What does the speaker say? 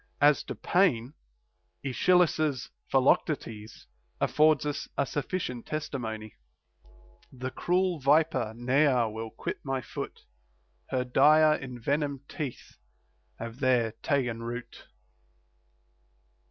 As to pain, Aeschylus's Philoctetes affords us a sufficient testimony: The cruel viper ne'er will quit my foot ; Her dire envenomed teeth have there ta'en root.